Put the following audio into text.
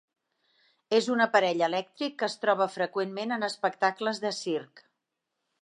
És un aparell elèctric que es troba freqüentment en espectacles de circ.